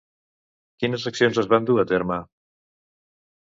Quines accions es van dur a terme?